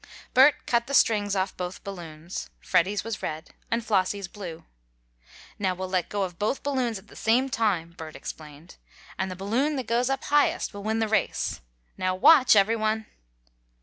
Bert cut the string off both balloons. Freddie's was red and Flossie's blue. "Now we'll let go of both balloons at the same time," Bert explained, "and the balloon that goes up highest will win the race. Now watch, everyone!"